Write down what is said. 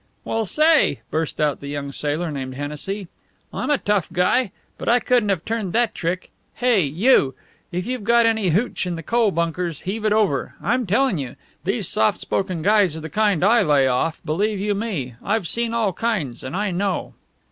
"Well, say!" burst out the young sailor named Hennessy. "I'm a tough guy, but I couldn't have turned that trick. Hey, you! If you've got any hooch in the coal bunkers, heave it over. I'm telling you! These soft spoken guys are the kind I lay off, believe you me! I've seen all kinds, and I know."